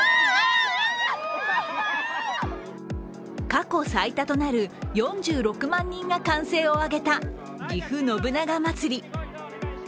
過去最多となる４６万人が歓声を上げた、ぎふ信長まつり。